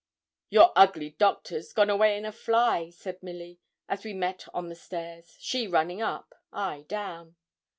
'Your ugly doctor's gone away in a fly,' said Milly, as we met on the stairs, she running up, I down.